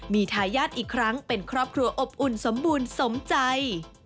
มีทายาทอีกครั้งเป็นครอบครัวอบอุ่นสมบูรณ์สมใจ